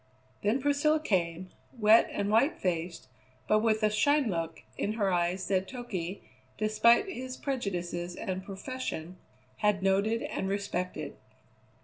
Then Priscilla came, wet and white faced, but with the "shine look" in her eyes that Toky, despite his prejudices and profession, had noted and respected.